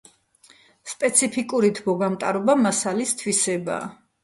სპეციფიკური თბოგამტარობა მასალის თვისებაა.